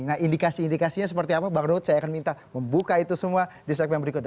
nah indikasi indikasinya seperti apa bang ruhut saya akan minta membuka itu semua di segmen berikutnya